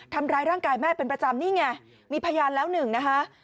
ทำร้ายร่างกายแม่เป็นประจำนี่ไงมีพยานแล้วหนึ่งนะคะ